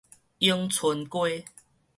永春街